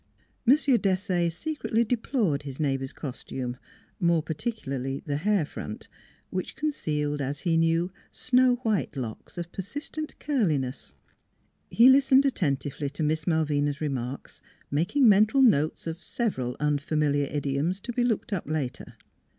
M. Desaye secretly deplored his neighbor's costume, more particu larly the hair front, which concealed, as he knew, snow white locks of persistent curliness. He lis tened attentively to Miss Malvina's remarks, making mental notes of several unfamiliar idi oms to be looked up later.